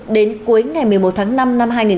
đến cuối ngày một mươi một tháng năm năm hai nghìn hai mươi